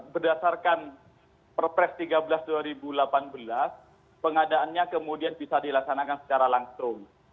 berdasarkan perpres tiga belas dua ribu delapan belas pengadaannya kemudian bisa dilaksanakan secara langsung